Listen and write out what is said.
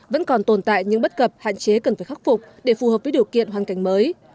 vẫn còn tồn tại những bất cập hạn chế cần phải khắc phục để phù hợp với điều kiện hoàn cảnh mới